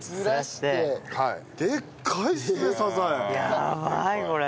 やばいこれ。